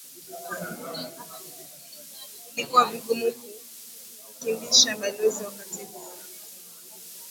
Ilikuwa vigumu kumbishia balozi wakati huo